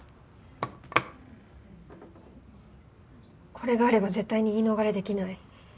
これがあれば絶対に言い逃れできない。